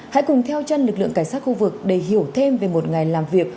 hãy cùng theo chân lực lượng cảnh sát khu vực để hiểu thêm về một ngày làm việc